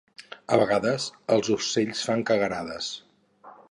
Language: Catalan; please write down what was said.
A vegades els ocells fan cagarades